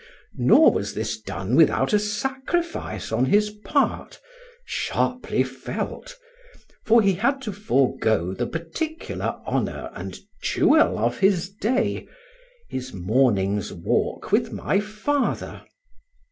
Nor was this done without a sacrifice on his part, sharply felt; for he had to forego the particular honour and jewel of his day his morning's walk with my father.